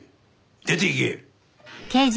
出て行け。